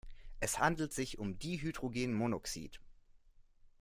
Es handelt sich um Dihydrogenmonoxid.